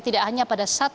tidak hanya pada seluruh